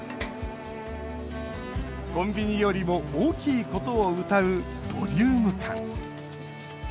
コンビニよりも大きいことをうたうボリューム感。